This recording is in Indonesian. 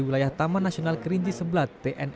wilayah taman nasional kerinci sebelat